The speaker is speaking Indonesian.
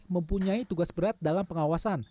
mempunyai tugas berat dalam pengawasan